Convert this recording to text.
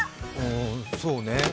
そうね。